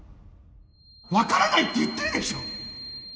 わからないって言ってるでしょう！